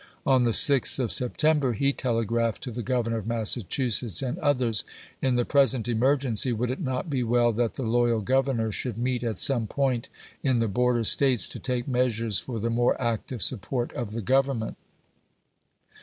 On the 6th of September he 1862. telegraphed to the Governor of Massachusetts and others :" In the present emergencj^, would it not be well that the loyal governors should meet at some point in the border States to take measures for the more active support of the Government